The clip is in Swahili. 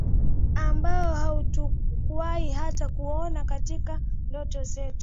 ambao hautukuwahi hata kuuona katika ndoto zetu